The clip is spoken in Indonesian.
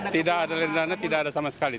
tidak ada dana tidak ada sama sekali